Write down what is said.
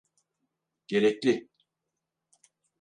Gerekli.